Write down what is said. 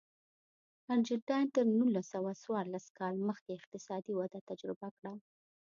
ارجنټاین تر نولس سوه څوارلس کال مخکې اقتصادي وده تجربه کړه.